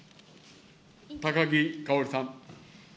高木かおりさん。